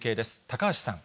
高橋さん。